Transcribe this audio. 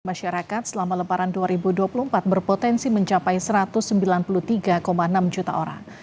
masyarakat selama lebaran dua ribu dua puluh empat berpotensi mencapai satu ratus sembilan puluh tiga enam juta orang